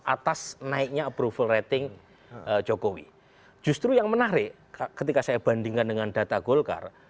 atas naiknya approval rating jokowi justru yang menarik ketika saya bandingkan dengan data golkar